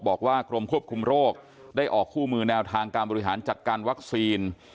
บอกว่ากรมควบคุมโรคได้ออกคู่มือแนวทางการบริหารจัดการวัคซีน